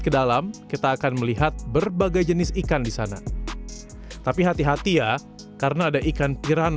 ke dalam kita akan melihat berbagai jenis ikan di sana tapi hati hati ya karena ada ikan piran